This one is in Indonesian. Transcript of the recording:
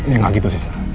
ya gak gitu sih sam